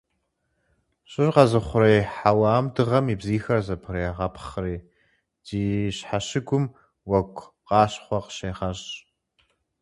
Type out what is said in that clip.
Щӏыр къэзыухъуреихь хьэуам Дыгъэм и бзийхэр зэбгрепхъри ди щхьэщыгум уэгу къащхъуэ къыщегъэщӏ.